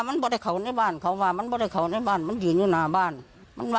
ไม่น่าเชื่อนะฮะเงิน๖๐๐อ่ะ